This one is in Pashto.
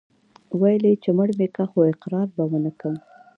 ويل يې چې مړ مې که خو اقرار به ونه کم.